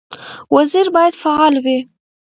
وزیر باید فعال وي